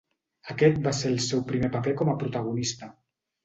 Aquest va ser el seu primer paper com a protagonista.